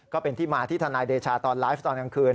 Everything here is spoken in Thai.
ก็เป็นที่มาที่ทนายเดชาตอนไลฟ์ตอนกลางคืน